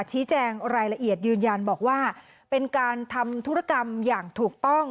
ชี้แจงรายละเอียดยืนยันบอกว่าเป็นการทำธุรกรรมอย่างถูกต้อง